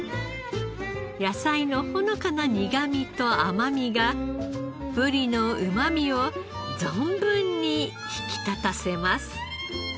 野菜のほのかな苦みと甘みがブリのうま味を存分に引き立たせます。